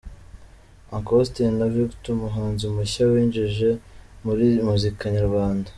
Uncle Austin na Victor umuhanzi mushya winjijwe muri muzika nyarwanda.